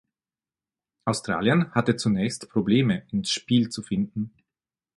Australien hatte zunächst Probleme ins Spiel zu finden.